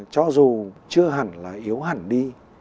cho dù chưa hẳn là yếu hẳn đi